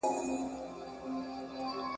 ما شپه ده راوستلې سپینوې یې او کنه ..